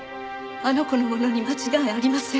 あの子のものに間違いありません。